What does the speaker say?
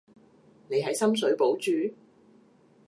你喺深水埗住？